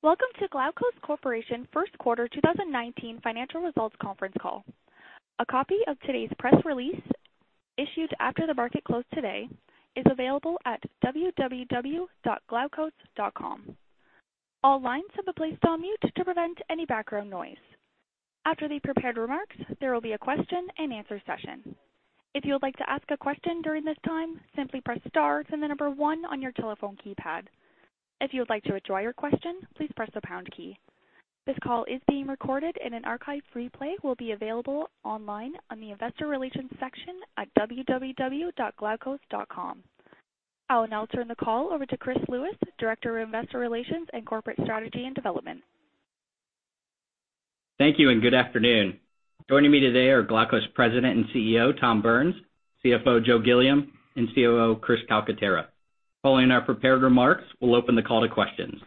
Welcome to Glaukos Corporation first quarter 2019 financial results conference call. A copy of today's press release, issued after the market close today, is available at www.glaukos.com. All lines have been placed on mute to prevent any background noise. After the prepared remarks, there will be a question and answer session. If you would like to ask a question during this time, simply press star, the number 1 on your telephone keypad. If you would like to withdraw your question, please press the pound key. This call is being recorded, and an archive replay will be available online on the Investor Relations section at www.glaukos.com. I will now turn the call over to Chris Lewis, Director of Investor Relations and Corporate Strategy and Development. Thank you. Good afternoon. Joining me today are Glaukos President and CEO, Tom Burns, CFO Joseph Gilliam, and COO Chris Calcaterra. Following our prepared remarks, we'll open the call to questions.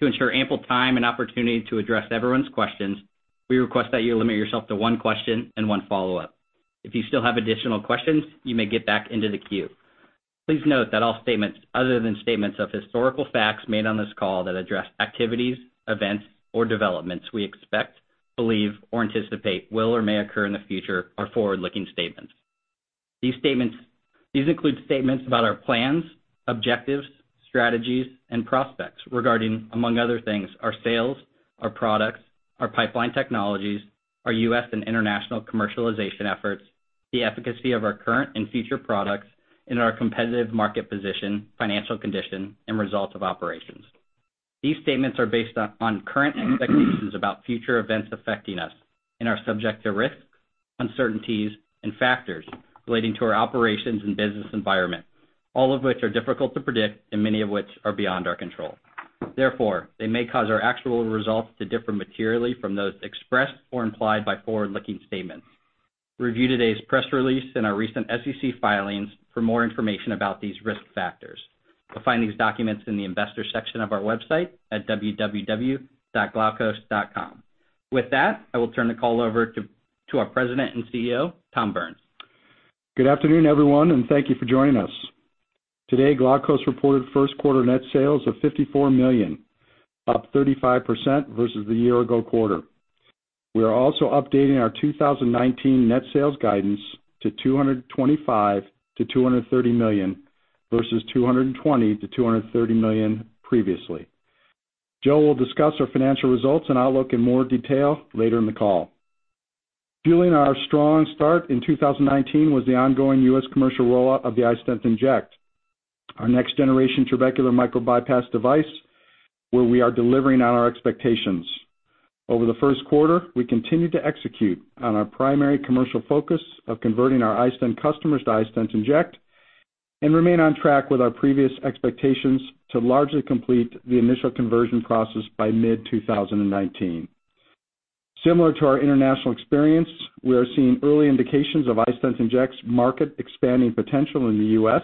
To ensure ample time and opportunity to address everyone's questions, we request that you limit yourself to one question and one follow-up. If you still have additional questions, you may get back into the queue. Please note that all statements, other than statements of historical facts made on this call that address activities, events, or developments we expect, believe, or anticipate will or may occur in the future are forward-looking statements. These include statements about our plans, objectives, strategies, and prospects regarding, among other things, our sales, our products, our pipeline technologies, our U.S. and international commercialization efforts, the efficacy of our current and future products, and our competitive market position, financial condition, and results of operations. These statements are based on current expectations about future events affecting us and are subject to risks, uncertainties, and factors relating to our operations and business environment, all of which are difficult to predict and many of which are beyond our control. Therefore, they may cause our actual results to differ materially from those expressed or implied by forward-looking statements. Review today's press release and our recent SEC filings for more information about these risk factors. You'll find these documents in the Investors section of our website at www.glaukos.com. With that, I will turn the call over to our President and CEO, Tom Burns. Good afternoon, everyone. Thank you for joining us. Today, Glaukos reported first quarter net sales of $54 million, up 35% versus the year ago quarter. We are also updating our 2019 net sales guidance to $225 million-$230 million versus $220 million-$230 million previously. Joe will discuss our financial results and outlook in more detail later in the call. Fueling our strong start in 2019 was the ongoing U.S. commercial rollout of the iStent inject, our next generation trabecular micro-bypass device where we are delivering on our expectations. Over the first quarter, we continued to execute on our primary commercial focus of converting our iStent customers to iStent inject and remain on track with our previous expectations to largely complete the initial conversion process by mid-2019. Similar to our international experience, we are seeing early indications of iStent inject's market expanding potential in the U.S.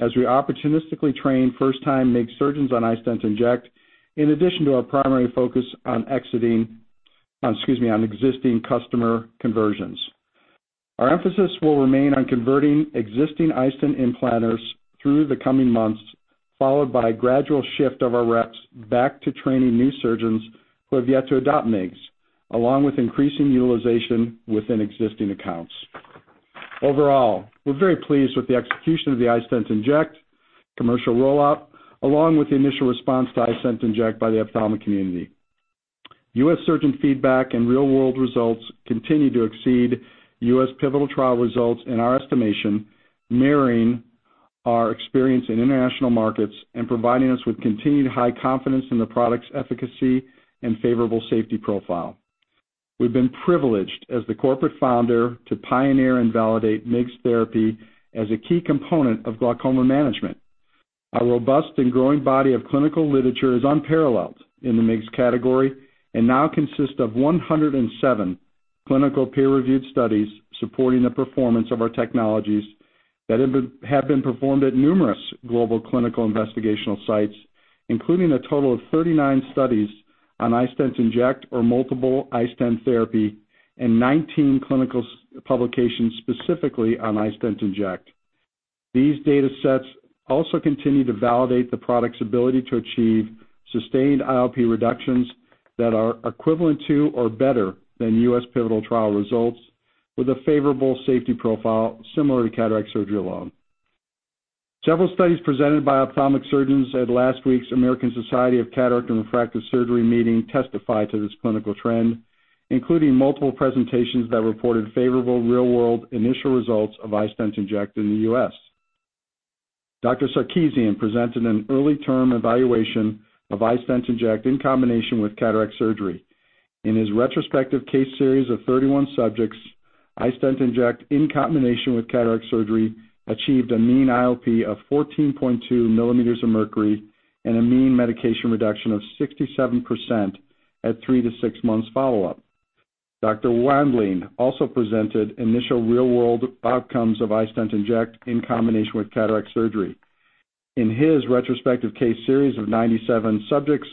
as we opportunistically train first-time MIGS surgeons on iStent inject, in addition to our primary focus on excuse me, on existing customer conversions. Our emphasis will remain on converting existing iStent implanters through the coming months, followed by a gradual shift of our reps back to training new surgeons who have yet to adopt MIGS, along with increasing utilization within existing accounts. Overall, we're very pleased with the execution of the iStent inject commercial rollout, along with the initial response to iStent inject by the ophthalmic community. U.S. surgeon feedback and real-world results continue to exceed U.S. pivotal trial results in our estimation, mirroring our experience in international markets and providing us with continued high confidence in the product's efficacy and favorable safety profile. We've been privileged as the corporate founder to pioneer and validate MIGS therapy as a key component of glaucoma management. Our robust and growing body of clinical literature is unparalleled in the MIGS category and now consists of 107 clinical peer-reviewed studies supporting the performance of our technologies that have been performed at numerous global clinical investigational sites, including a total of 39 studies on iStent inject or multiple iStent therapy and 19 clinical publications specifically on iStent inject. These datasets also continue to validate the product's ability to achieve sustained IOP reductions that are equivalent to or better than U.S. pivotal trial results with a favorable safety profile similar to cataract surgery alone. Several studies presented by ophthalmic surgeons at last week's American Society of Cataract and Refractive Surgery meeting testify to this clinical trend, including multiple presentations that reported favorable real-world initial results of iStent inject in the U.S. Dr. Sarkisian presented an early term evaluation of iStent inject in combination with cataract surgery. In his retrospective case series of 31 subjects, iStent inject in combination with cataract surgery achieved a mean IOP of 14.2 millimeters of mercury and a mean medication reduction of 67% at three to six months follow-up. Dr. Wandling also presented initial real-world outcomes of iStent inject in combination with cataract surgery. In his retrospective case series of 97 subjects,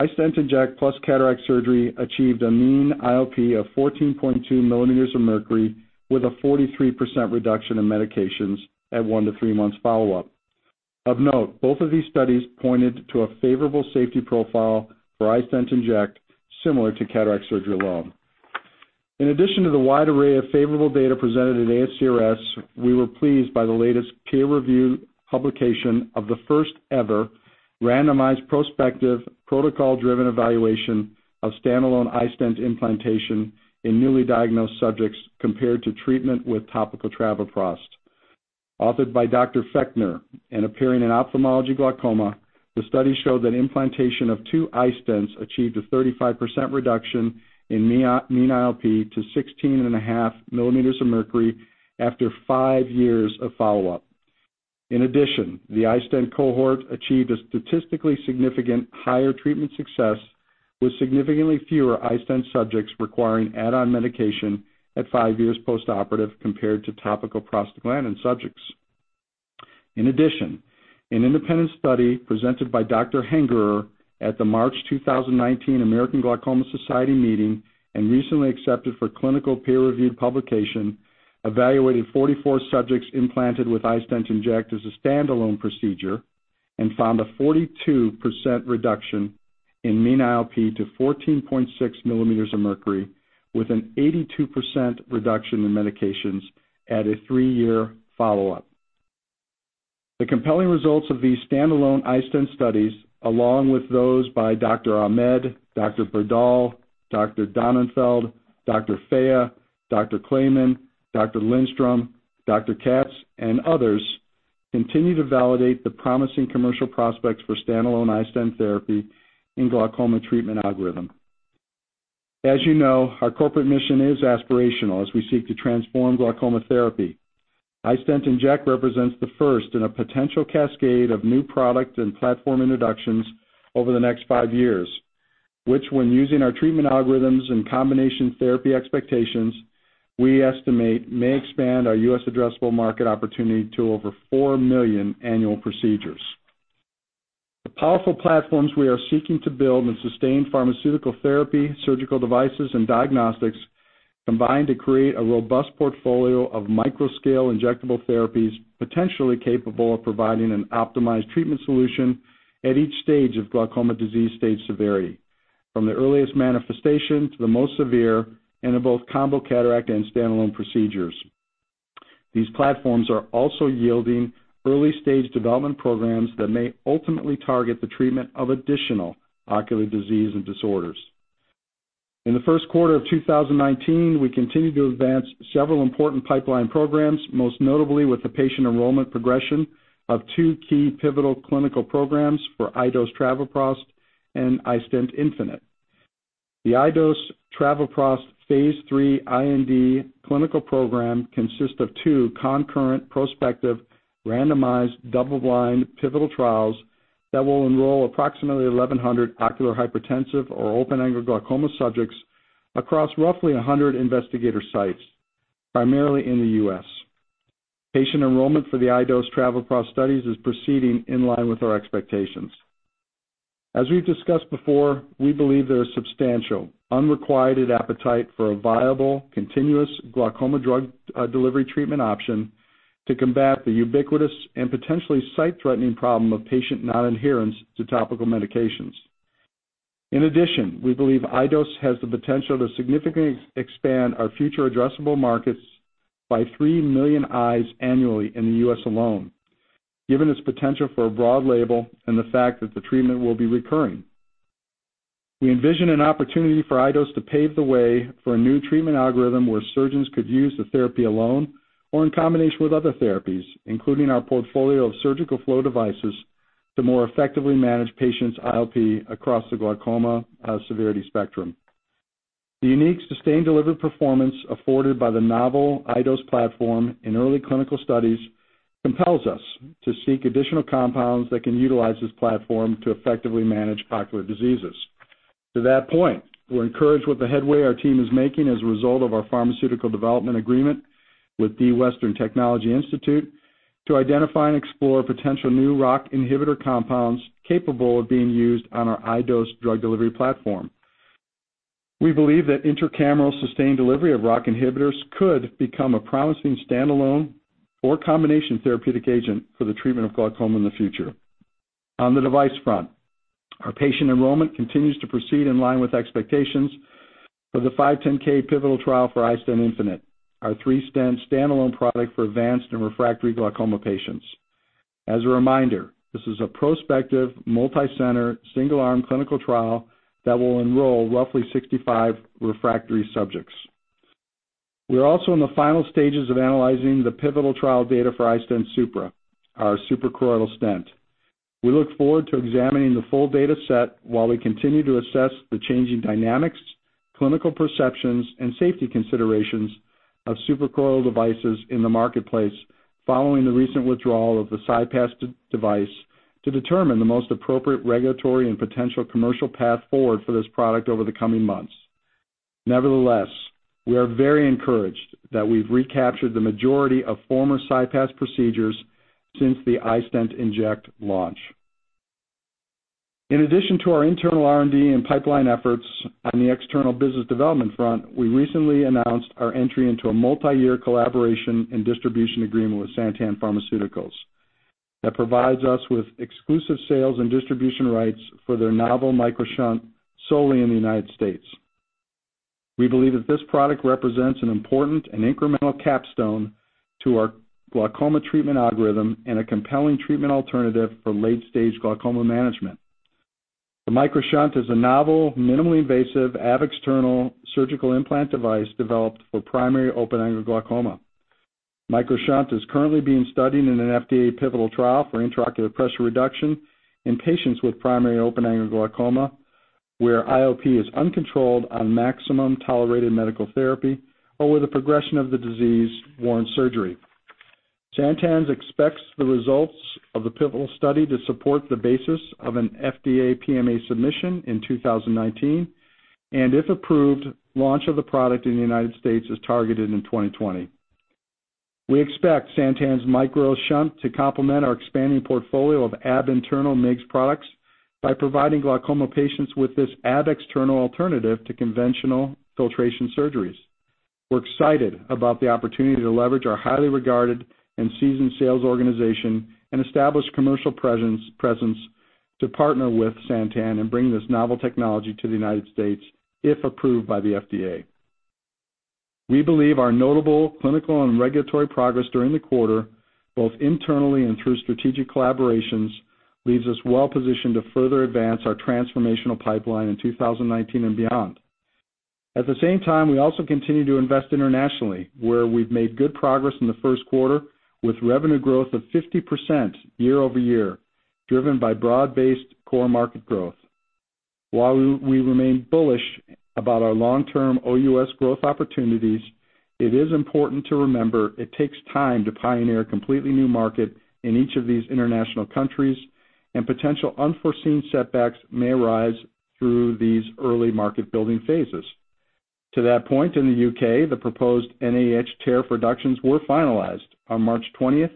iStent inject plus cataract surgery achieved a mean IOP of 14.2 millimeters of mercury with a 43% reduction in medications at one to three months follow-up. Of note, both of these studies pointed to a favorable safety profile for iStent inject similar to cataract surgery alone. In addition to the wide array of favorable data presented at ASCRS, we were pleased by the latest peer review publication of the first ever randomized, prospective, protocol-driven evaluation of standalone iStent implantation in newly diagnosed subjects, compared to treatment with topical travoprost. Authored by Dr. Fechtner and appearing in Ophthalmology Glaucoma, the study showed that implantation of two iStents achieved a 35% reduction in mean IOP to 16.5 millimeters of mercury after five years of follow-up. In addition, the iStent cohort achieved a statistically significant higher treatment success, with significantly fewer iStent subjects requiring add-on medication at five years postoperative compared to topical prostaglandin subjects. In addition, an independent study presented by Dr. Hengerer at the March 2019 American Glaucoma Society meeting and recently accepted for clinical peer-reviewed publication, evaluated 44 subjects implanted with iStent inject as a standalone procedure and found a 42% reduction in mean IOP to 14.6 millimeters of mercury with an 82% reduction in medications at a three-year follow-up. The compelling results of these standalone iStent studies, along with those by Dr. Ahmed, Dr. Berdahl, Dr. Donnenfeld, Dr. Fea, Dr. Kleiman, Dr. Lindstrom, Dr. Katz, and others, continue to validate the promising commercial prospects for standalone iStent therapy in glaucoma treatment algorithm. As you know, our corporate mission is aspirational as we seek to transform glaucoma therapy. iStent inject represents the first in a potential cascade of new product and platform introductions over the next five years, which when using our treatment algorithms and combination therapy expectations, we estimate may expand our U.S. addressable market opportunity to over 4 million annual procedures. The powerful platforms we are seeking to build in sustained pharmaceutical therapy, surgical devices, and diagnostics combine to create a robust portfolio of microscale injectable therapies potentially capable of providing an optimized treatment solution at each stage of glaucoma disease stage severity, from the earliest manifestation to the most severe, and in both combo cataract and standalone procedures. These platforms are also yielding early-stage development programs that may ultimately target the treatment of additional ocular disease and disorders. In the first quarter of 2019, we continued to advance several important pipeline programs, most notably with the patient enrollment progression of two key pivotal clinical programs for iDose travoprost and iStent infinite. The iDose travoprost phase III IND clinical program consists of two concurrent prospective randomized double-blind pivotal trials that will enroll approximately 1,100 ocular hypertensive or open-angle glaucoma subjects across roughly 100 investigator sites, primarily in the U.S. Patient enrollment for the iDose travoprost studies is proceeding in line with our expectations. As we've discussed before, we believe there is substantial unrequited appetite for a viable continuous glaucoma drug delivery treatment option to combat the ubiquitous and potentially sight-threatening problem of patient non-adherence to topical medications. In addition, we believe iDose has the potential to significantly expand our future addressable markets by 3 million eyes annually in the U.S. alone, given its potential for a broad label and the fact that the treatment will be recurring. We envision an opportunity for iDose to pave the way for a new treatment algorithm where surgeons could use the therapy alone or in combination with other therapies, including our portfolio of surgical flow devices, to more effectively manage patients' IOP across the glaucoma severity spectrum. The unique, sustained delivery performance afforded by the novel iDose platform in early clinical studies compels us to seek additional compounds that can utilize this platform to effectively manage ocular diseases. To that point, we're encouraged with the headway our team is making as a result of our pharmaceutical development agreement with D. Western Therapeutics Institute to identify and explore potential new ROCK inhibitor compounds capable of being used on our iDose drug delivery platform. We believe that intracameral sustained delivery of ROCK inhibitors could become a promising standalone or combination therapeutic agent for the treatment of glaucoma in the future. On the device front, our patient enrollment continues to proceed in line with expectations for the 510 pivotal trial for iStent infinite, our three-stent standalone product for advanced and refractory glaucoma patients. As a reminder, this is a prospective, multicenter, single-arm clinical trial that will enroll roughly 65 refractory subjects. We are also in the final stages of analyzing the pivotal trial data for iStent Supra, our suprachoroidal stent. We look forward to examining the full data set while we continue to assess the changing dynamics, clinical perceptions, and safety considerations of suprachoroidal devices in the marketplace following the recent withdrawal of the CyPass device to determine the most appropriate regulatory and potential commercial path forward for this product over the coming months. Nevertheless, we are very encouraged that we've recaptured the majority of former CyPass procedures since the iStent inject launch. In addition to our internal R&D and pipeline efforts on the external business development front, we recently announced our entry into a multi-year collaboration and distribution agreement with Santen Pharmaceuticals. That provides us with exclusive sales and distribution rights for their novel MicroShunt solely in the United States. We believe that this product represents an important and incremental capstone to our glaucoma treatment algorithm and a compelling treatment alternative for late-stage glaucoma management. The MicroShunt is a novel, minimally invasive, ab externo surgical implant device developed for primary open-angle glaucoma. MicroShunt is currently being studied in an FDA pivotal trial for intraocular pressure reduction in patients with primary open-angle glaucoma, where IOP is uncontrolled on maximum tolerated medical therapy or where the progression of the disease warrants surgery. Santen expects the results of the pivotal study to support the basis of an FDA PMA submission in 2019, and if approved, launch of the product in the United States is targeted in 2020. We expect Santen's MicroShunt to complement our expanding portfolio of ab interno MIGS products by providing glaucoma patients with this ab externo alternative to conventional filtration surgeries. We're excited about the opportunity to leverage our highly regarded and seasoned sales organization and establish commercial presence to partner with Santen and bring this novel technology to the United States if approved by the FDA. We believe our notable clinical and regulatory progress during the quarter, both internally and through strategic collaborations, leaves us well positioned to further advance our transformational pipeline in 2019 and beyond. At the same time, we also continue to invest internationally, where we've made good progress in the first quarter, with revenue growth of 50% year-over-year, driven by broad-based core market growth. While we remain bullish about our long-term OUS growth opportunities, it is important to remember it takes time to pioneer a completely new market in each of these international countries, and potential unforeseen setbacks may arise through these early market-building phases. To that point, in the U.K., the proposed NHS tariff reductions were finalized on March 20th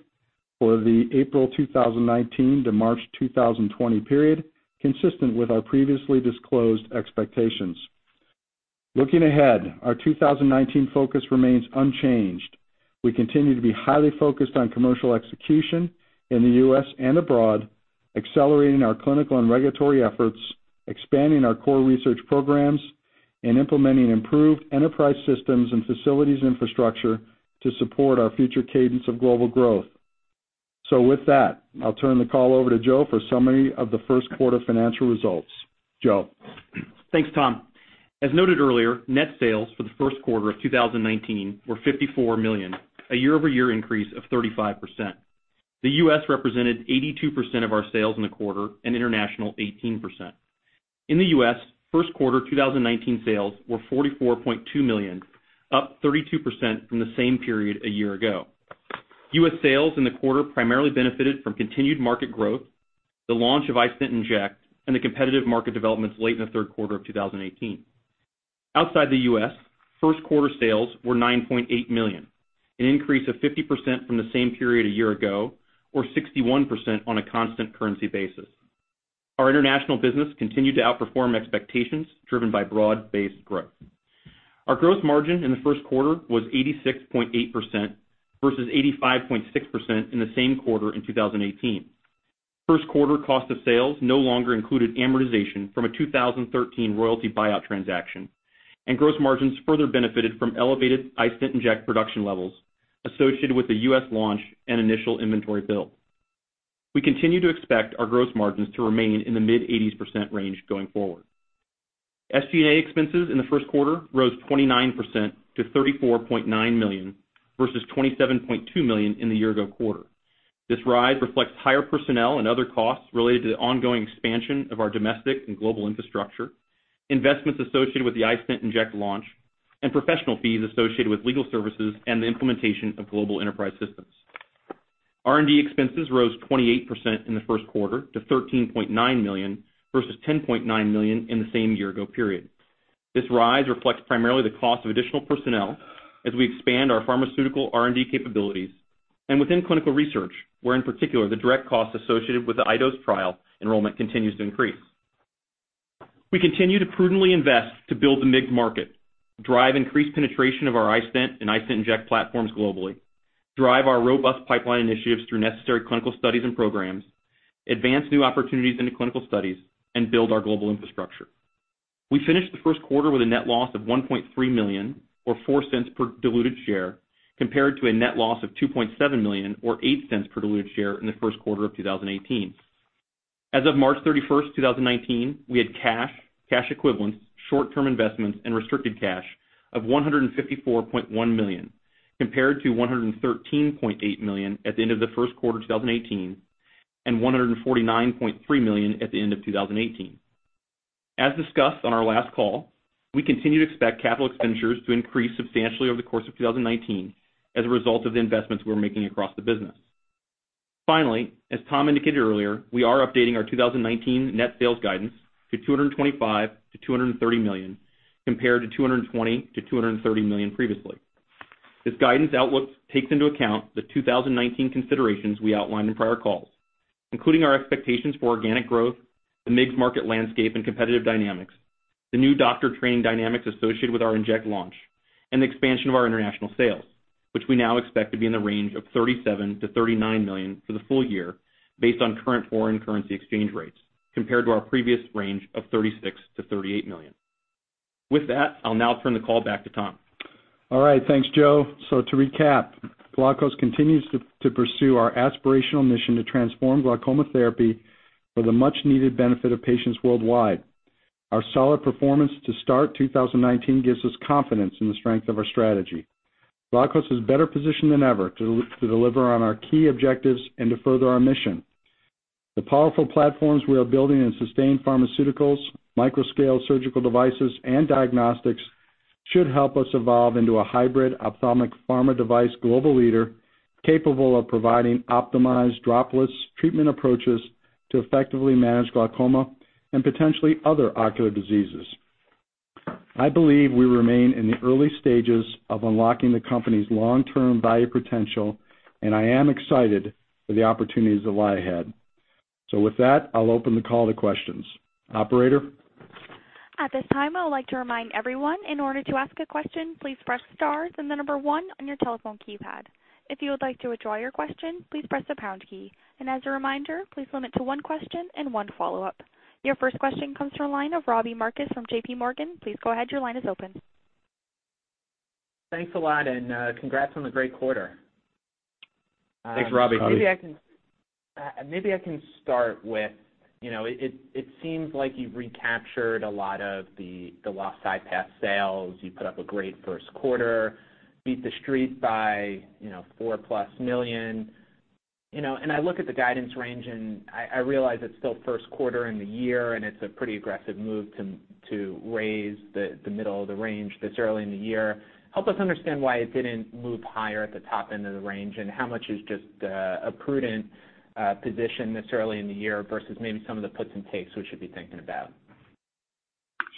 for the April 2019 to March 2020 period, consistent with our previously disclosed expectations. Looking ahead, our 2019 focus remains unchanged. We continue to be highly focused on commercial execution in the U.S. and abroad, accelerating our clinical and regulatory efforts, expanding our core research programs, and implementing improved enterprise systems and facilities infrastructure to support our future cadence of global growth. With that, I'll turn the call over to Joe for a summary of the first quarter financial results. Joe? Thanks, Tom. As noted earlier, net sales for the first quarter of 2019 were $54 million, a year-over-year increase of 35%. The U.S. represented 82% of our sales in the quarter and international 18%. In the U.S., first quarter 2019 sales were $44.2 million, up 32% from the same period a year ago. U.S. sales in the quarter primarily benefited from continued market growth, the launch of iStent inject, and the competitive market developments late in the third quarter of 2018. Outside the U.S., first quarter sales were $9.8 million, an increase of 50% from the same period a year ago or 61% on a constant currency basis. Our international business continued to outperform expectations driven by broad-based growth. Our gross margin in the first quarter was 86.8% versus 85.6% in the same quarter in 2018. First quarter cost of sales no longer included amortization from a 2013 royalty buyout transaction, and gross margins further benefited from elevated iStent inject production levels associated with the U.S. launch and initial inventory build. We continue to expect our gross margins to remain in the mid-80s% range going forward. SG&A expenses in the first quarter rose 29% to $34.9 million, versus $27.2 million in the year-ago quarter. This rise reflects higher personnel and other costs related to the ongoing expansion of our domestic and global infrastructure, investments associated with the iStent inject launch, and professional fees associated with legal services and the implementation of global enterprise systems. R&D expenses rose 28% in the first quarter to $13.9 million, versus $10.9 million in the same year-ago period. This rise reflects primarily the cost of additional personnel as we expand our pharmaceutical R&D capabilities and within clinical research, where, in particular, the direct costs associated with the iDose trial enrollment continues to increase. We continue to prudently invest to build the MIGS market, drive increased penetration of our iStent and iStent inject platforms globally, drive our robust pipeline initiatives through necessary clinical studies and programs, advance new opportunities into clinical studies, and build our global infrastructure. We finished the first quarter with a net loss of $1.3 million, or $0.04 per diluted share, compared to a net loss of $2.7 million or $0.08 per diluted share in the first quarter of 2018. As of March 31st, 2019, we had cash equivalents, short-term investments, and restricted cash of $154.1 million, compared to $113.8 million at the end of the first quarter 2018 and $149.3 million at the end of 2018. As discussed on our last call, we continue to expect capital expenditures to increase substantially over the course of 2019 as a result of the investments we're making across the business. Finally, as Tom indicated earlier, we are updating our 2019 net sales guidance to $225 million-$230 million, compared to $220 million-$230 million previously. This guidance outlook takes into account the 2019 considerations we outlined in prior calls, including our expectations for organic growth, the MIGS market landscape and competitive dynamics. The new doctor training dynamics associated with our Inject launch and the expansion of our international sales, which we now expect to be in the range of $37 million-$39 million for the full year based on current foreign currency exchange rates compared to our previous range of $36 million-$38 million. With that, I'll now turn the call back to Tom. All right. Thanks, Joe. To recap, Glaukos continues to pursue our aspirational mission to transform glaucoma therapy for the much-needed benefit of patients worldwide. Our solid performance to start 2019 gives us confidence in the strength of our strategy. Glaukos is better positioned than ever to deliver on our key objectives and to further our mission. The powerful platforms we are building in sustained pharmaceuticals, microscale surgical devices, and diagnostics should help us evolve into a hybrid ophthalmic pharma device global leader capable of providing optimized dropless treatment approaches to effectively manage glaucoma and potentially other ocular diseases. I believe we remain in the early stages of unlocking the company's long-term value potential, and I am excited for the opportunities that lie ahead. With that, I'll open the call to questions. Operator? At this time, I would like to remind everyone in order to ask a question, please press star, then the number one on your telephone keypad. If you would like to withdraw your question, please press the pound key. As a reminder, please limit to one question and one follow-up. Your first question comes from the line of Robbie Marcus from JPMorgan. Please go ahead. Your line is open. Thanks a lot, congrats on the great quarter. Thanks, Robbie. Robbie. Maybe I can start with, it seems like you've recaptured a lot of the lost CyPass sales. You put up a great first quarter, beat The Street by $4-plus million. I look at the guidance range, and I realize it's still first quarter in the year, it's a pretty aggressive move to raise the middle of the range this early in the year. Help us understand why it didn't move higher at the top end of the range, how much is just a prudent position this early in the year versus maybe some of the puts and takes we should be thinking about.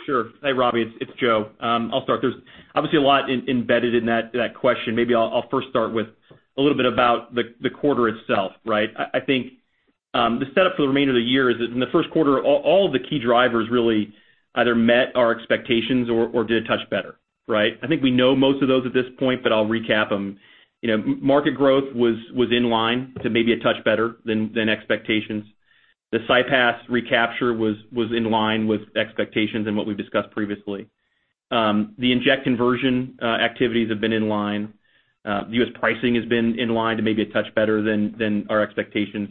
Sure. Hey, Robbie, it's Joe. I'll start. There's obviously a lot embedded in that question. Maybe I'll first start with a little bit about the quarter itself, right? I think the setup for the remainder of the year is that in the first quarter, all of the key drivers really either met our expectations or did a touch better, right? I think we know most of those at this point, but I'll recap them. Market growth was in line to maybe a touch better than expectations. The CyPass recapture was in line with expectations and what we've discussed previously. The Inject conversion activities have been in line. The U.S. pricing has been in line to maybe a touch better than our expectations.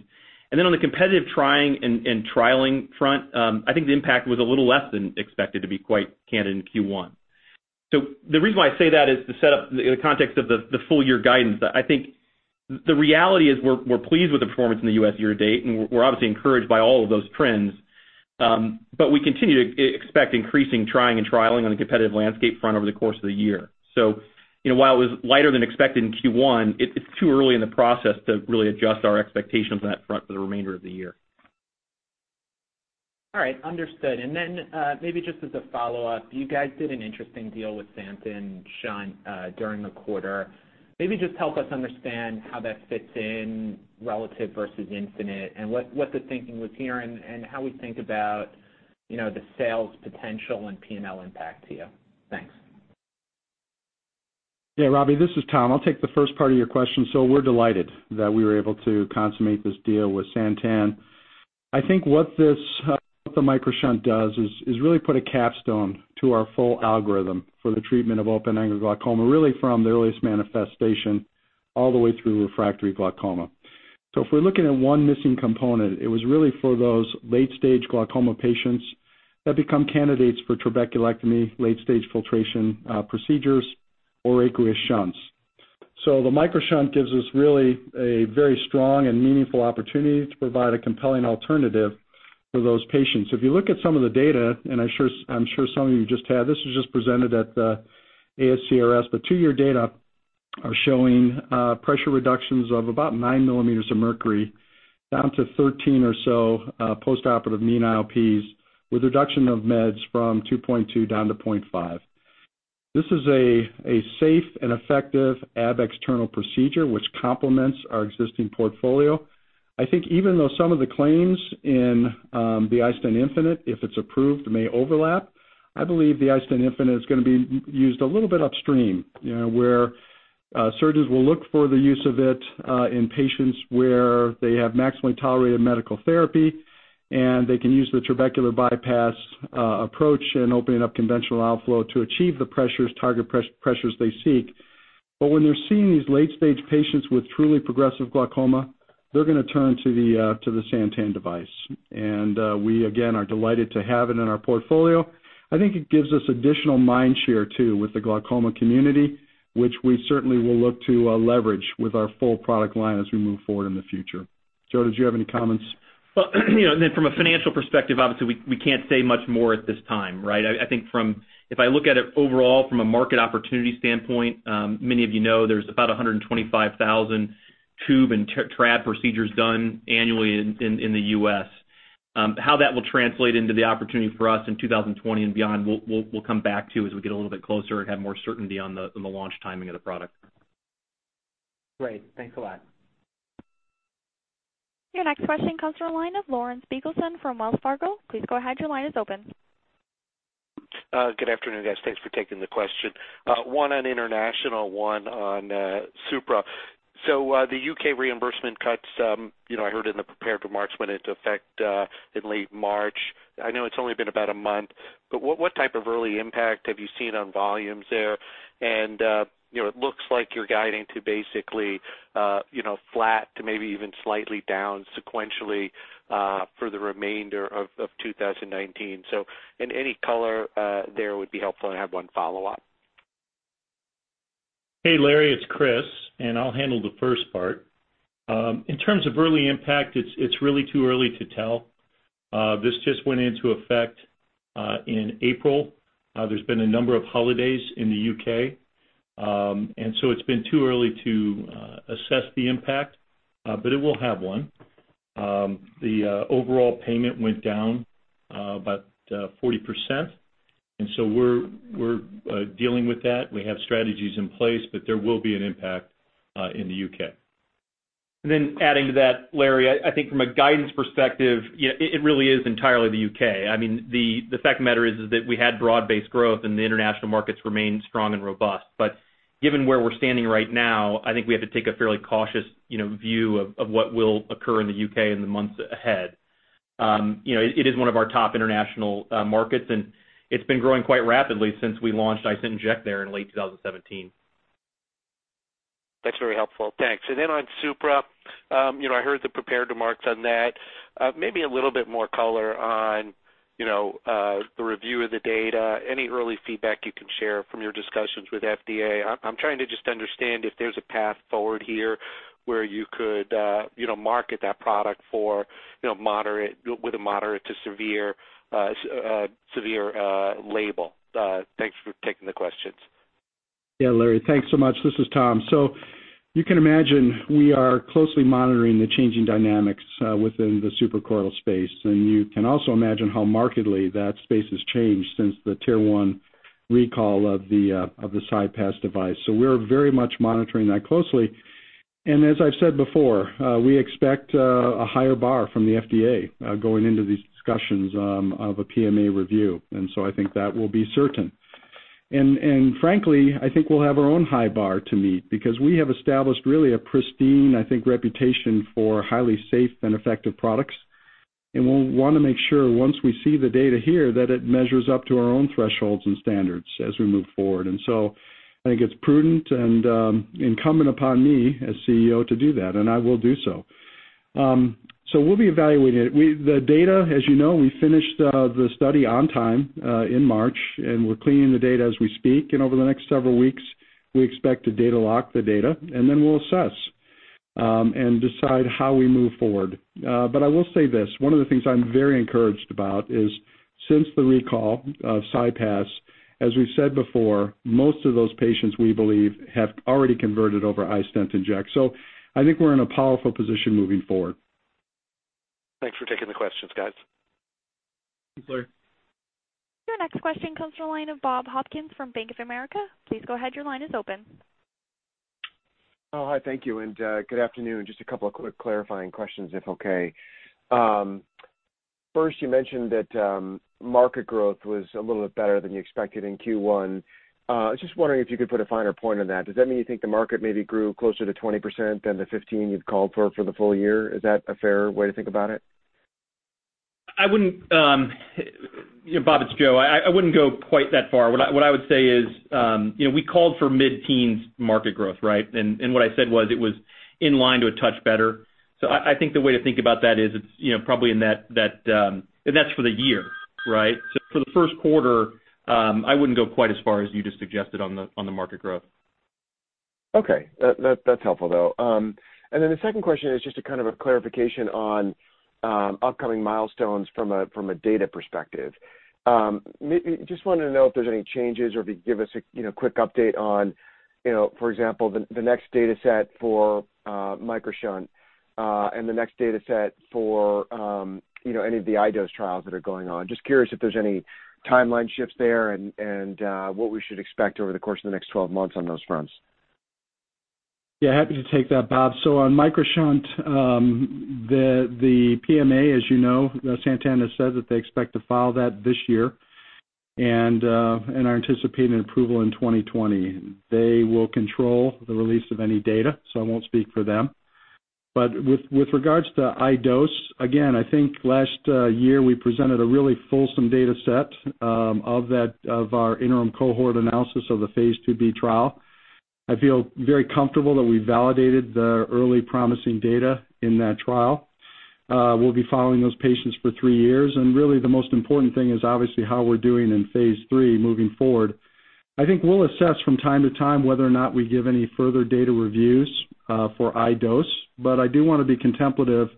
Then on the competitive trying and trialing front, I think the impact was a little less than expected to be quite candid in Q1. The reason why I say that is to set up the context of the full-year guidance. I think the reality is we're pleased with the performance in the U.S. year to date, and we're obviously encouraged by all of those trends. We continue to expect increasing trying and trialing on the competitive landscape front over the course of the year. While it was lighter than expected in Q1, it's too early in the process to really adjust our expectations on that front for the remainder of the year. All right. Understood. Then maybe just as a follow-up, you guys did an interesting deal with Santen Shunt during the quarter. Maybe just help us understand how that fits in relative versus infinite, and what the thinking was here and how we think about the sales potential and P&L impact to you. Thanks. Yeah, Robbie, this is Tom. I'll take the first part of your question. We're delighted that we were able to consummate this deal with Santen. I think what the MicroShunt does is really put a capstone to our full algorithm for the treatment of open-angle glaucoma, really from the earliest manifestation all the way through refractory glaucoma. If we're looking at one missing component, it was really for those late-stage glaucoma patients that become candidates for trabeculectomy late stage filtration procedures or aqueous shunts. The MicroShunt gives us really a very strong and meaningful opportunity to provide a compelling alternative for those patients. If you look at some of the data, and I'm sure some of you just have, this was just presented at the ASCRS, the two-year data are showing pressure reductions of about nine millimeters of mercury down to 13 or so postoperative mean IOPs with reduction of meds from 2.2 down to 0.5. This is a safe and effective ab externo procedure which complements our existing portfolio. I think even though some of the claims in the iStent infinite, if it's approved, may overlap, I believe the iStent infinite is going to be used a little bit upstream where surgeons will look for the use of it in patients where they have maximally tolerated medical therapy, and they can use the trabecular bypass approach in opening up conventional outflow to achieve the target pressures they seek. When they're seeing these late-stage patients with truly progressive glaucoma, they're going to turn to the Santen device. We again are delighted to have it in our portfolio. I think it gives us additional mind share too with the glaucoma community, which we certainly will look to leverage with our full product line as we move forward in the future. Joe, did you have any comments? From a financial perspective, obviously, we can't say much more at this time, right? I think if I look at it overall from a market opportunity standpoint, many of you know there's about 125,000 tube and trab procedures done annually in the U.S. How that will translate into the opportunity for us in 2020 and beyond, we'll come back to as we get a little bit closer and have more certainty on the launch timing of the product. Great. Thanks a lot. Your next question comes from the line of Lawrence Biegelsen from Wells Fargo. Please go ahead. Your line is open. Good afternoon, guys. Thanks for taking the question. One on international, one on Supra. The U.K. reimbursement cuts, I heard in the prepared remarks went into effect in late March. I know it's only been about a month, but what type of early impact have you seen on volumes there? It looks like you're guiding to basically flat to maybe even slightly down sequentially for the remainder of 2019. Any color there would be helpful, and I have one follow-up. Hey, Larry, it's Chris. I'll handle the first part. In terms of early impact, it's really too early to tell. This just went into effect in April. There's been a number of holidays in the U.K. It's been too early to assess the impact, but it will have one. The overall payment went down about 40%. We're dealing with that. We have strategies in place, but there will be an impact in the U.K. Adding to that, Larry, I think from a guidance perspective, it really is entirely the U.K. The fact of the matter is that we had broad-based growth, the international markets remain strong and robust. Given where we're standing right now, I think we have to take a fairly cautious view of what will occur in the U.K. in the months ahead. It is one of our top international markets, it's been growing quite rapidly since we launched iStent inject there in late 2017. That's very helpful. Thanks. On Supra. I heard the prepared remarks on that. Maybe a little bit more color on the review of the data, any early feedback you can share from your discussions with FDA. I'm trying to just understand if there's a path forward here where you could market that product with a moderate to severe label. Thanks for taking the questions. Larry, thanks so much. This is Tom. You can imagine we are closely monitoring the changing dynamics within the suprachoroidal space. You can also imagine how markedly that space has changed since the tier 1 recall of the CyPass device. We're very much monitoring that closely. As I've said before, we expect a higher bar from the FDA going into these discussions of a PMA review. I think that will be certain. Frankly, I think we'll have our own high bar to meet because we have established really a pristine, I think, reputation for highly safe and effective products. We'll want to make sure once we see the data here, that it measures up to our own thresholds and standards as we move forward. I think it's prudent and incumbent upon me as CEO to do that, and I will do so. We'll be evaluating it. The data, as you know, we finished the study on time in March, and we're cleaning the data as we speak. Over the next several weeks, we expect to data lock the data, and then we'll assess and decide how we move forward. I will say this, one of the things I'm very encouraged about is since the recall of CyPass, as we've said before, most of those patients, we believe, have already converted over iStent inject. I think we're in a powerful position moving forward. Thanks for taking the questions, guys. Thanks, Larry. Your next question comes from the line of Bob Hopkins from Bank of America. Please go ahead. Your line is open. Hi, thank you, and good afternoon. Just a couple of quick clarifying questions, if okay. First, you mentioned that market growth was a little bit better than you expected in Q1. I was just wondering if you could put a finer point on that. Does that mean you think the market maybe grew closer to 20% than the 15 you'd called for the full year? Is that a fair way to think about it? Bob, it's Joe. I wouldn't go quite that far. What I would say is we called for mid-teens market growth, right? What I said was it was in line to a touch better. I think the way to think about that is it's probably in that's for the year, right? For the first quarter, I wouldn't go quite as far as you just suggested on the market growth. Okay. That's helpful, though. Then the second question is just a kind of a clarification on upcoming milestones from a data perspective. Just wanted to know if there's any changes or if you could give us a quick update on, for example, the next data set for MicroShunt and the next data set for any of the iDose trials that are going on. Just curious if there's any timeline shifts there and what we should expect over the course of the next 12 months on those fronts. Yeah, happy to take that, Bob. On MicroShunt, the PMA, as you know, Santen said that they expect to file that this year and are anticipating approval in 2020. They will control the release of any data, so I won't speak for them. With regards to iDose, again, I think last year we presented a really fulsome data set of our interim cohort analysis of the phase IIb trial. I feel very comfortable that we validated the early promising data in that trial. We'll be following those patients for three years. And really the most important thing is obviously how we're doing in phase III moving forward. I think we'll assess from time to time whether or not we give any further data reviews for iDose, but I do want to be contemplative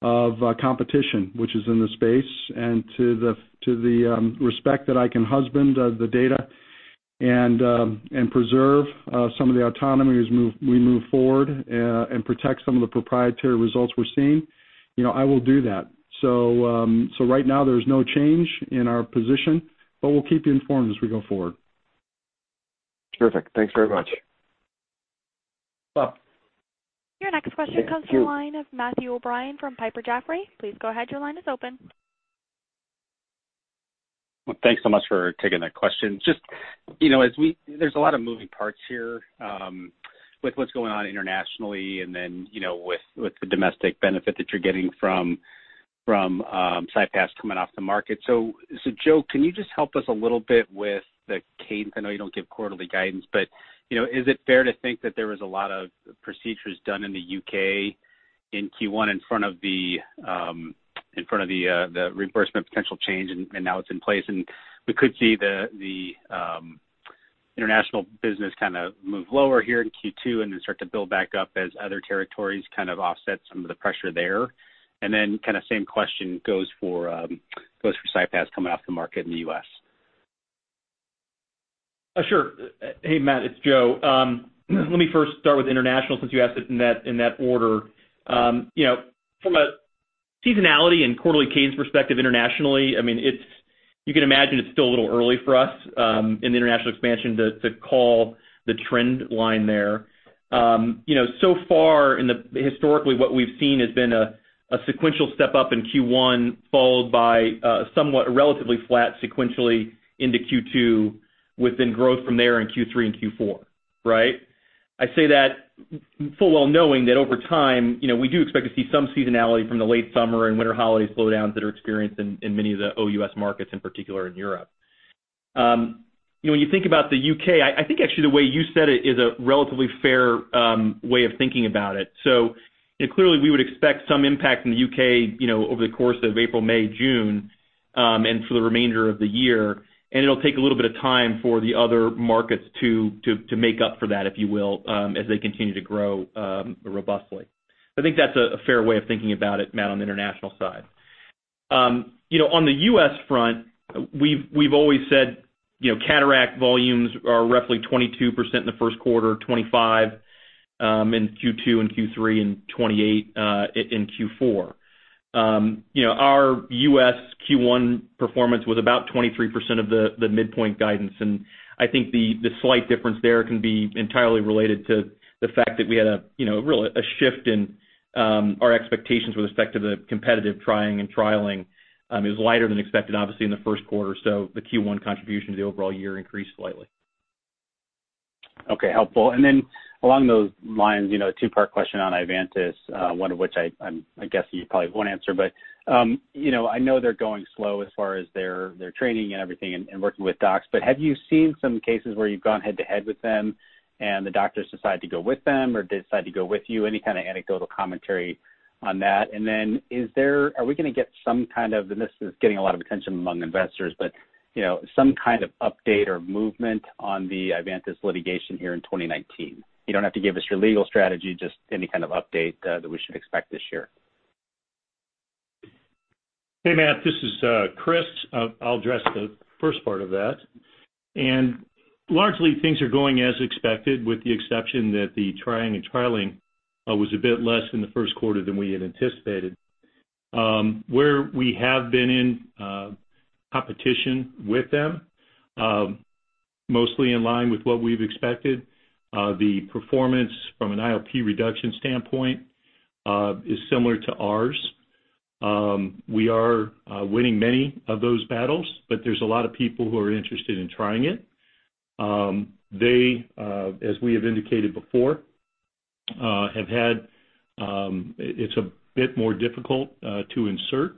of competition, which is in the space and to the respect that I can husband the data and preserve some of the autonomy as we move forward and protect some of the proprietary results we're seeing. I will do that. Right now there's no change in our position, but we'll keep you informed as we go forward. Terrific. Thanks very much. Well- Your next question comes from the line of Matthew O'Brien from Piper Jaffray. Please go ahead. Your line is open. Thanks so much for taking that question. There's a lot of moving parts here with what's going on internationally and then with the domestic benefit that you're getting from CyPass coming off the market. Joe, can you just help us a little bit with the cadence? I know you don't give quarterly guidance, is it fair to think that there was a lot of procedures done in the U.K. in Q1 in front of the reimbursement potential change and now it's in place, and we could see the international business kind of move lower here in Q2 and then start to build back up as other territories kind of offset some of the pressure there? Kind of same question goes for CyPass coming off the market in the U.S. Sure. Hey, Matt, it's Joe. Let me first start with international since you asked it in that order. From a seasonality and quarterly cadence perspective internationally, you can imagine it's still a little early for us in the international expansion to call the trend line there. Historically what we've seen has been a sequential step-up in Q1, followed by somewhat relatively flat sequentially into Q2, with growth from there in Q3 and Q4. Right? I say that full well knowing that over time, we do expect to see some seasonality from the late summer and winter holiday slowdowns that are experienced in many of the OUS markets, in particular in Europe. When you think about the U.K., I think actually the way you said it is a relatively fair way of thinking about it. Clearly we would expect some impact in the U.K. over the course of April, May, June, and for the remainder of the year, and it'll take a little bit of time for the other markets to make up for that, if you will, as they continue to grow robustly. I think that's a fair way of thinking about it, Matt, on the international side. On the U.S. front, we've always said cataract volumes are roughly 22% in the first quarter, 25% in Q2 and Q3, and 28% in Q4. Our U.S. Q1 performance was about 23% of the midpoint guidance, and I think the slight difference there can be entirely related to the fact that we had a shift in our expectations with respect to the competitive trying and trialing is lighter than expected, obviously, in the first quarter. The Q1 contribution to the overall year increased slightly. Okay, helpful. Along those lines, a two-part question on Ivantis, one of which I guess you probably won't answer, but I know they're going slow as far as their training and everything and working with docs, but have you seen some cases where you've gone head-to-head with them and the doctors decide to go with them, or they decide to go with you? Any kind of anecdotal commentary on that. Are we going to get some kind of, and this is getting a lot of attention among investors, but some kind of update or movement on the Ivantis litigation here in 2019? You don't have to give us your legal strategy, just any kind of update that we should expect this year. Hey, Matt, this is Chris. I'll address the first part of that. Largely things are going as expected with the exception that the trying and trialing was a bit less in the first quarter than we had anticipated. Where we have been in competition with them, mostly in line with what we've expected, the performance from an IOP reduction standpoint is similar to ours. We are winning many of those battles, but there's a lot of people who are interested in trying it. They, as we have indicated before, it's a bit more difficult to insert,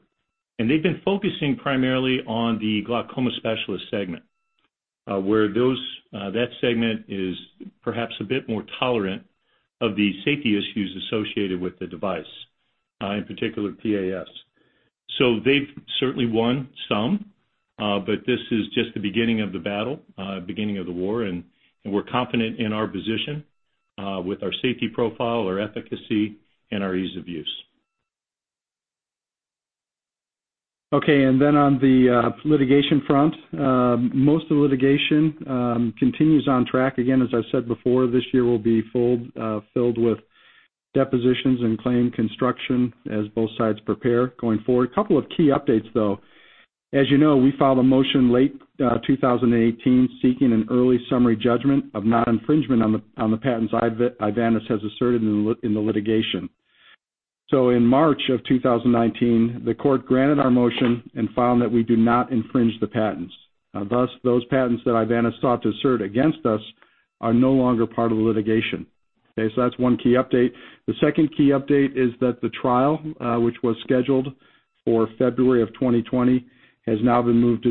and they've been focusing primarily on the glaucoma specialist segment, where that segment is perhaps a bit more tolerant of the safety issues associated with the device, in particular PAS. They've certainly won some, this is just the beginning of the battle, beginning of the war, we're confident in our position with our safety profile, our efficacy, and our ease of use. Okay, on the litigation front, most of the litigation continues on track. Again, as I've said before, this year will be filled with depositions and claim construction as both sides prepare going forward. A couple of key updates, though. As you know, we filed a motion late 2018 seeking an early summary judgment of non-infringement on the patents Ivantis has asserted in the litigation. In March of 2019, the court granted our motion and found that we do not infringe the patents. Thus, those patents that Ivantis sought to assert against us are no longer part of the litigation. Okay, that's one key update. The second key update is that the trial, which was scheduled for February of 2020, has now been moved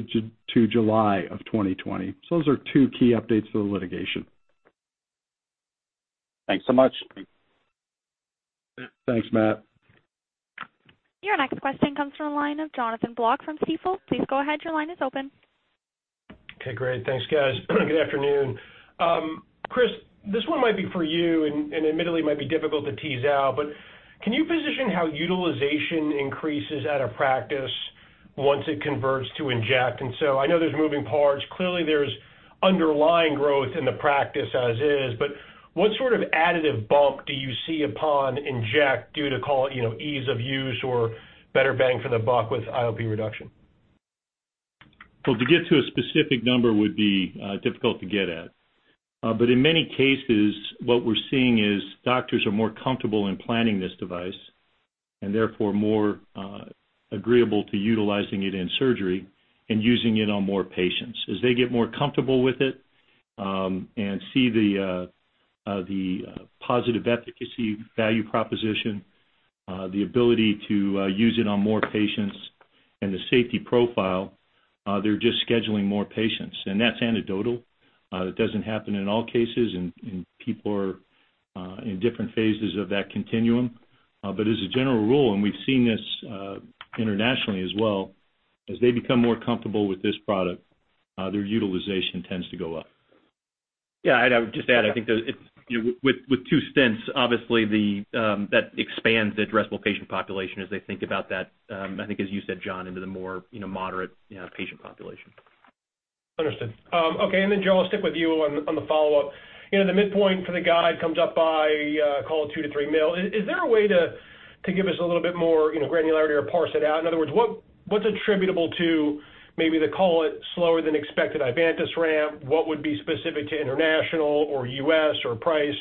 to July of 2020. Those are two key updates to the litigation. Thanks so much. Thanks, Matt. Your next question comes from the line of Jonathan Block from Stifel. Please go ahead. Your line is open. Okay, great. Thanks, guys. Good afternoon. Chris, this one might be for you, and admittedly might be difficult to tease out, but can you position how utilization increases at a practice once it converts to inject? So I know there's moving parts. Clearly there's underlying growth in the practice as is, but what sort of additive bump do you see upon inject due to, call it, ease of use or better bang for the buck with IOP reduction? To get to a specific number would be difficult to get at. In many cases, what we're seeing is doctors are more comfortable in planning this device, and therefore more agreeable to utilizing it in surgery and using it on more patients. As they get more comfortable with it and see the positive efficacy value proposition, the ability to use it on more patients, and the safety profile, they're just scheduling more patients. That's anecdotal. It doesn't happen in all cases, and people are in different phases of that continuum. As a general rule, and we've seen this internationally as well, as they become more comfortable with this product, their utilization tends to go up. I'd just add, I think with two stents, obviously that expands the addressable patient population as they think about that, I think as you said, John, into the more moderate patient population. Understood. Joe, I'll stick with you on the follow-up. The midpoint for the guide comes up by, call it $2 million-$3 million. Is there a way to give us a little bit more granularity or parse it out? In other words, what's attributable to maybe the, call it, slower than expected Ivantis ramp? What would be specific to international or U.S. or price?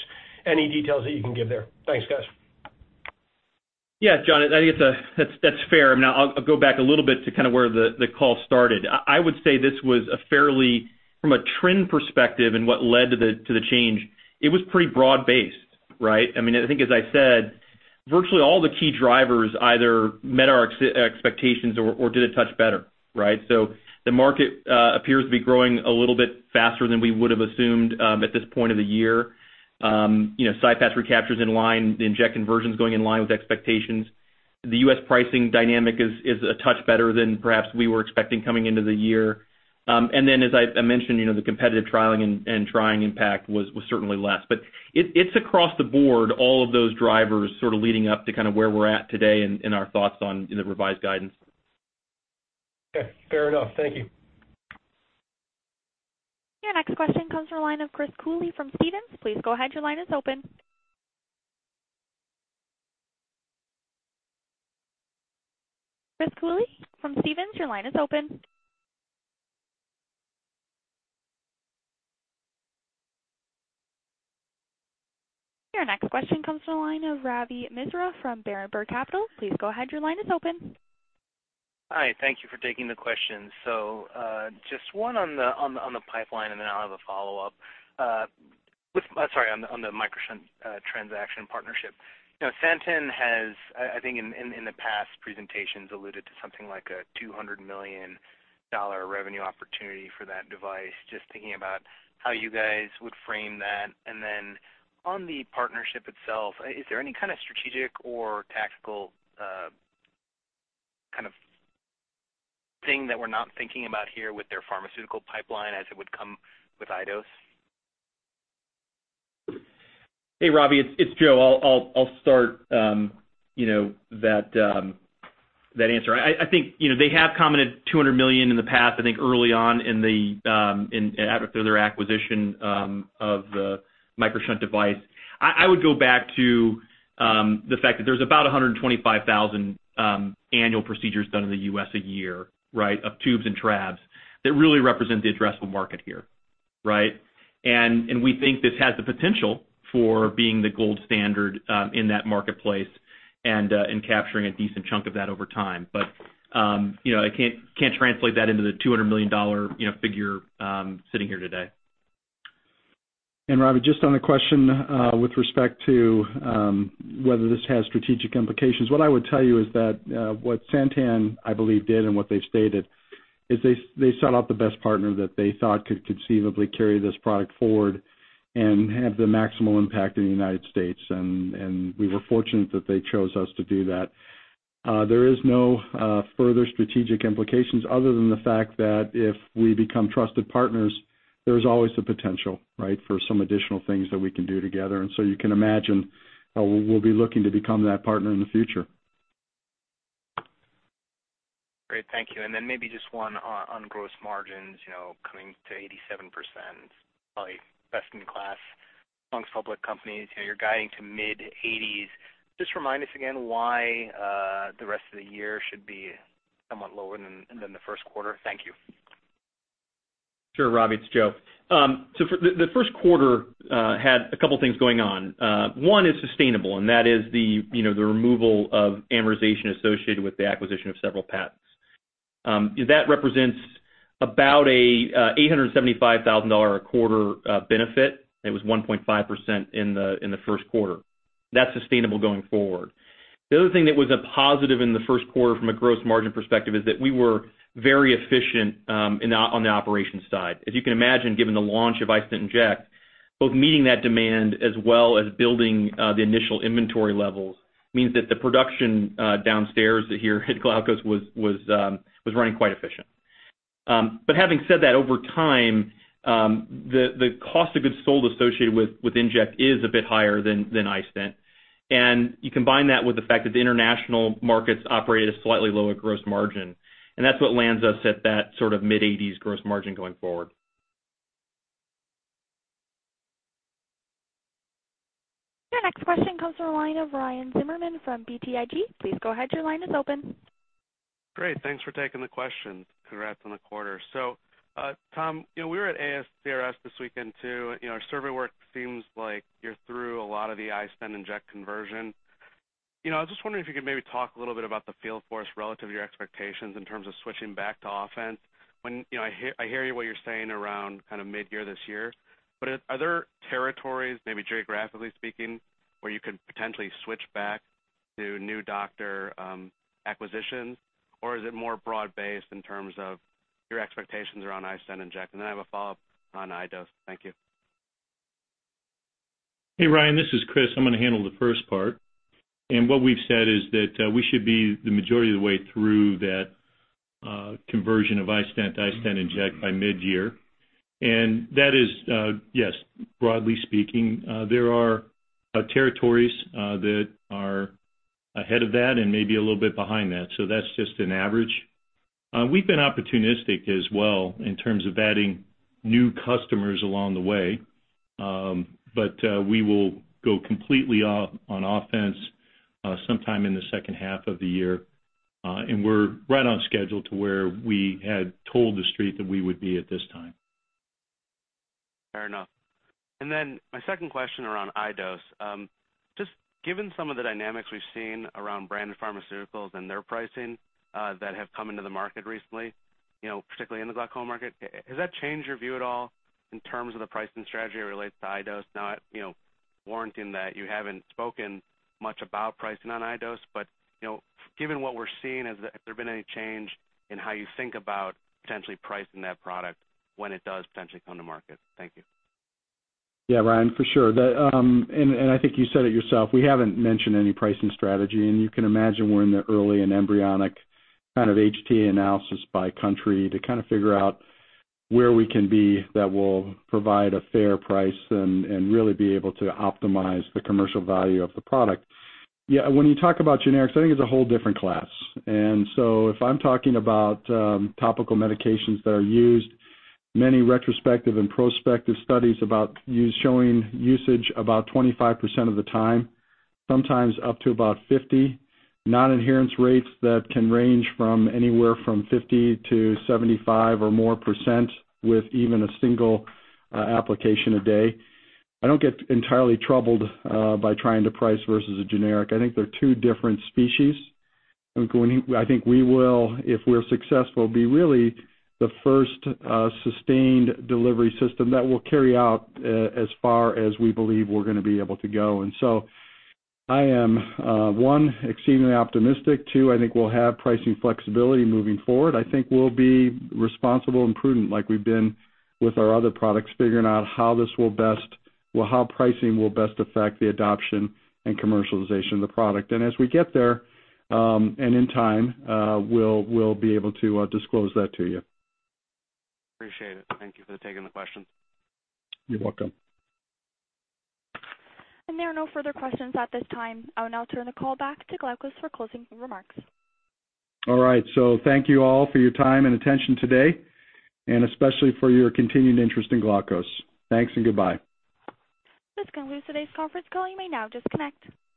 Any details that you can give there? Thanks, guys. John, I think that's fair. I'll go back a little bit to kind of where the call started. I would say this was a fairly, from a trend perspective and what led to the change, it was pretty broad-based, right? I think as I said, virtually all the key drivers either met our expectations or did a touch better, right? The market appears to be growing a little bit faster than we would have assumed at this point of the year. CyPass recaptures in line, the inject conversions going in line with expectations. The U.S. pricing dynamic is a touch better than perhaps we were expecting coming into the year. As I mentioned, the competitive trialing and trialing impact was certainly less. It's across the board, all of those drivers sort of leading up to kind of where we're at today and our thoughts on the revised guidance. Okay. Fair enough. Thank you. Your next question comes from the line of Chris Cooley from Stephens. Please go ahead, your line is open. Chris Cooley from Stephens, your line is open. Your next question comes from the line of Ravi Misra from Berenberg Capital. Please go ahead, your line is open. Hi. Thank you for taking the question. Just one on the pipeline, and then I'll have a follow-up. Sorry, on the MicroShunt transaction partnership. Santen has, I think in the past presentations, alluded to something like a $200 million revenue opportunity for that device. Just thinking about how you guys would frame that. And then on the partnership itself, is there any kind of strategic or tactical kind of thing that we're not thinking about here with their pharmaceutical pipeline as it would come with iDose? Hey, Ravi, it's Joe. I'll start that answer. I think they have commented $200 million in the past, I think early on through their acquisition of the MicroShunt device. I would go back to the fact that there's about 125,000 annual procedures done in the U.S. a year, right? Of tubes and trabs that really represent the addressable market here. Right? We think this has the potential for being the gold standard in that marketplace and capturing a decent chunk of that over time. I can't translate that into the $200 million figure sitting here today. Ravi, just on the question with respect to whether this has strategic implications, what I would tell you is that what Santen, I believe, did and what they've stated, is they sought out the best partner that they thought could conceivably carry this product forward and have the maximal impact in the United States, and we were fortunate that they chose us to do that. There is no further strategic implications other than the fact that if we become trusted partners, there's always the potential, right? For some additional things that we can do together. You can imagine we'll be looking to become that partner in the future. Great. Thank you. Maybe just one on gross margins coming to 87%, probably best in class amongst public companies. You're guiding to mid-80s. Just remind us again why the rest of the year should be somewhat lower than the first quarter. Thank you. Sure, Ravi, it's Joe. The first quarter had a couple of things going on. One is sustainable, and that is the removal of amortization associated with the acquisition of several patents. That represents about a $875,000 a quarter benefit. It was 1.5% in the first quarter. That's sustainable going forward. The other thing that was a positive in the first quarter from a gross margin perspective is that we were very efficient on the operations side. As you can imagine, given the launch of iStent inject, both meeting that demand as well as building the initial inventory levels means that the production downstairs here at Glaukos was running quite efficient. Having said that, over time, the cost of goods sold associated with Inject is a bit higher than iStent. You combine that with the fact that the international markets operate at a slightly lower gross margin, and that's what lands us at that sort of mid-80s gross margin going forward. Your next question comes from the line of Ryan Zimmerman from BTIG. Please go ahead. Your line is open. Great. Thanks for taking the question. Congrats on the quarter. Tom, we were at ASCRS this weekend too. Our survey work seems like you're through a lot of the iStent inject conversion. I was just wondering if you could maybe talk a little bit about the field force relative to your expectations in terms of switching back to offense. I hear what you're saying around mid-year this year, but are there territories, maybe geographically speaking, where you could potentially switch back to new doctor acquisitions, or is it more broad-based in terms of your expectations around iStent inject? Then I have a follow-up on iDose. Thank you. Hey, Ryan, this is Chris. I'm going to handle the first part. What we've said is that we should be the majority of the way through that conversion of iStent inject by mid-year. That is, yes, broadly speaking, there are territories that are ahead of that and maybe a little bit behind that. That's just an average. We've been opportunistic as well in terms of adding new customers along the way. We will go completely on offense sometime in the second half of the year, and we're right on schedule to where we had told the street that we would be at this time. Fair enough. Then my second question around iDose. Just given some of the dynamics we've seen around branded pharmaceuticals and their pricing that have come into the market recently, particularly in the glaucoma market, has that changed your view at all in terms of the pricing strategy related to iDose? Not warranting that you haven't spoken much about pricing on iDose, but given what we're seeing, has there been any change in how you think about potentially pricing that product when it does potentially come to market? Thank you. Yeah, Ryan, for sure. I think you said it yourself, we haven't mentioned any pricing strategy, and you can imagine we're in the early and embryonic HTA analysis by country to figure out where we can be that will provide a fair price and really be able to optimize the commercial value of the product. When you talk about generics, I think it's a whole different class. So if I'm talking about topical medications that are used, many retrospective and prospective studies showing usage about 25% of the time, sometimes up to about 50. Non-adherence rates that can range from anywhere from 50-75% or more with even a single application a day. I don't get entirely troubled by trying to price versus a generic. I think they're two different species. I think we will, if we're successful, be really the first sustained delivery system that will carry out as far as we believe we're going to be able to go. So I am, one, exceedingly optimistic. Two, I think we'll have pricing flexibility moving forward. I think we'll be responsible and prudent like we've been with our other products, figuring out how pricing will best affect the adoption and commercialization of the product. As we get there, and in time, we'll be able to disclose that to you. Appreciate it. Thank you for taking the question. You're welcome. There are no further questions at this time. I'll now turn the call back to Glaukos for closing remarks. All right. Thank you all for your time and attention today, and especially for your continued interest in Glaukos. Thanks and goodbye. This concludes today's conference call. You may now disconnect.